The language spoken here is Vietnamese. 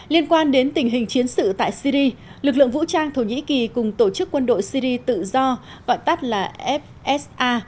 liên quan đến tình hình chiến sự tại syri lực lượng vũ trang thổ nhĩ kỳ cùng tổ chức quân đội syri tự do gọi tắt là fsa